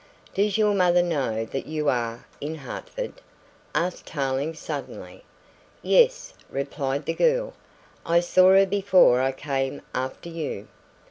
"Does your mother know that you are in Hertford?" asked Tarling suddenly. "Yes," replied the girl. "I saw her before I came after you."